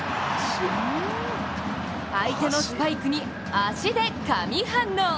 相手のスパイクに足で神反応。